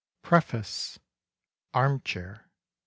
PREFACE. ARMCHAIR.